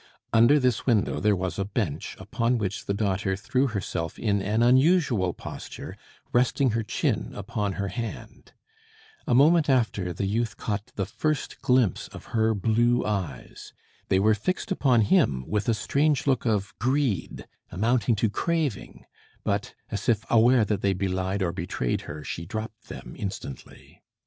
Under this window there was a bench, upon which the daughter threw herself in an unusual posture, resting her chin upon her hand. A moment after, the youth caught the first glimpse of her blue eyes. They were fixed upon him with a strange look of greed, amounting to craving, but, as if aware that they belied or betrayed her, she dropped them instantly.